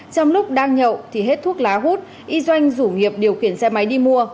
trong lúc đang nhậu thì hết thuốc lá hút y doanh rủ nghiệp điều khiển xe máy đi mua